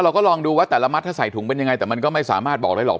เราก็ลองดูว่าแต่ละมัดถ้าใส่ถุงเป็นยังไงแต่มันก็ไม่สามารถบอกได้หรอก